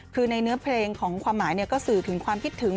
คือในเนื้อเพลงของความหมายก็สื่อถึงความคิดถึง